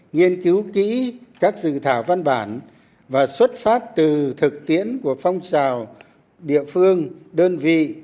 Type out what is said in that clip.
nghiên cứu kỹ các dự thảo văn bản và xuất phát từ thực tiễn của phong trào địa phương đơn vị